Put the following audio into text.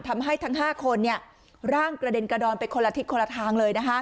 ทำให้ทั้ง๕คนร่างกระเด็นกระดอนไปคนละทิศคนละทางเลย